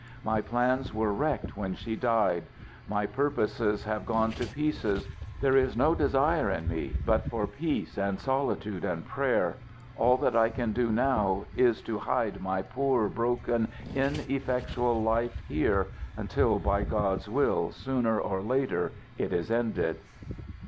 My plans were wrecked when she died. My purposes have gone to pieces. There is no desire in me but for peace and solitude and prayer. All that I can do now is to hide my poor, broken, ineffectual life here, until by God's will, sooner or later, it is ended."